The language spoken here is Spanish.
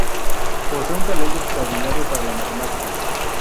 Posee un talento extraordinario para la matemática.